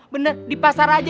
bener di pasar aja